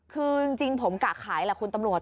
คือจริงผมกะขายแหละคุณตำรวจ